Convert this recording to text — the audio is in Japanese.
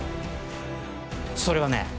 それはね